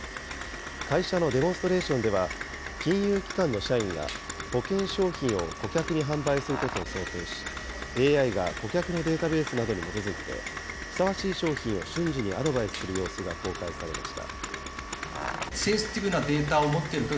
会社のデモンストレーションでは、金融機関の社員が、保険商品を顧客に販売することを想定し、ＡＩが顧客のデータベースなどに基づいてふさわしい商品を瞬時にアドバイスする様子が公開されました。